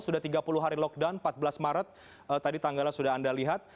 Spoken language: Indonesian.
sudah tiga puluh hari lockdown empat belas maret tadi tanggalnya sudah anda lihat